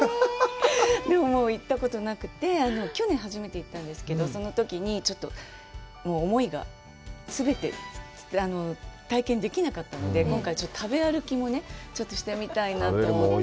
でも、行ったことなくて、去年初めて行ったんですけど、そのときにちょっと思いが全て、体験できなかったので、今回ちょっと食べ歩きもね、ちょっとしてみたいなと思って。